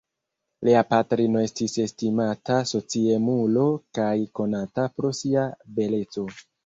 Lia patrino estis estimata sociemulo kaj konata pro sia beleco.